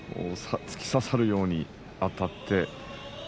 突き刺さるようにあたって。